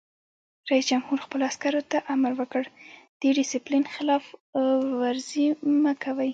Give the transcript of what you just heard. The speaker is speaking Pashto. رئیس جمهور خپلو عسکرو ته امر وکړ؛ د ډسپلین خلاف ورزي مه کوئ!